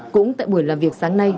cũng tại buổi làm việc sáng nay